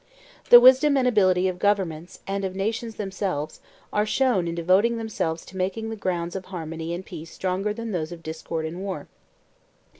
The wisdom and ability of governments and of nations themselves are shown in devoting themselves to making the grounds of harmony and peace stronger than those of discord and war.